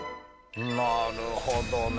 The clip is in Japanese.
なるほどね。